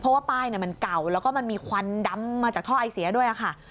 เพราะว่าป้ายมันเก่าแล้วก็มันมีควันดำมาจากท่อไอเสียด้วยค่ะ